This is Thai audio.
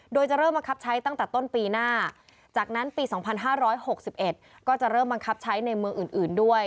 โดยจะเริ่มบังคับใช้ตั้งแต่ต้นปีหน้าจากนั้นปี๒๕๖๑ก็จะเริ่มบังคับใช้ในเมืองอื่นด้วย